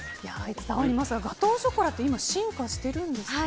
ガトーショコラって今、進化しているんですか？